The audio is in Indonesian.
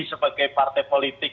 sebagai partai politik